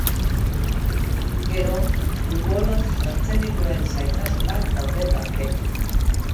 Gero, futbolak jartzen dituen zailtasunak daude tarteko.